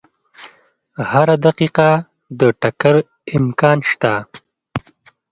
هره دقیقه د ټکر امکان شته.